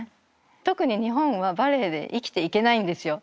特に日本はバレエで生きていけないんですよ。